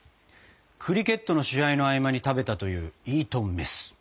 クリケットの試合の合間に食べたというイートンメス。